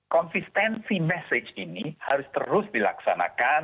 konsistensi message ini harus terus dilaksanakan